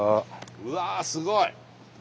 うわすごい！